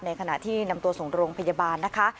ขณะที่นำตัวส่งโรงพยาบาลนะคะ